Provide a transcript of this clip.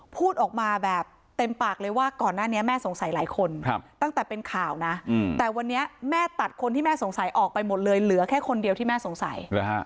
พูดออกมาแบบเต็มปากเลยว่าก่อนหน้านี้แม่สงสัยหลายคนตั้งแต่เป็นข่าวนะแต่วันนี้แม่ตัดคนที่แม่สงสัยออกไปหมดเลยเหลือแค่คนเดียวที่แม่สงสัย